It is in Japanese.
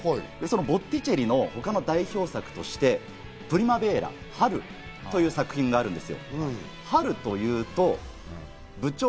ボッティチェリの他の代表作として、『プリマヴェーラ春』という作品があるんです。